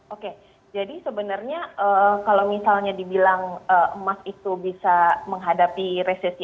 oke jadi sebenarnya kalau misalnya dibilang emas itu bisa menghadapi resesi